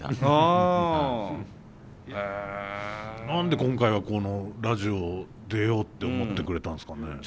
何で今回はこのラジオ出ようって思ってくれたんですかね？